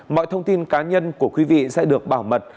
mọi thông tin cá nhân của quý vị sẽ được bảo mật